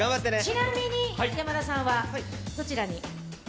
ちなみに山田さんはどちらに？